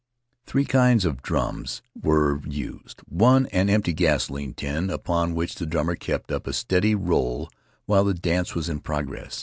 Three kinds of drums were used — one, an empty gasoline tin, upon which the drummer kept up a steady roll while the dance was in progress.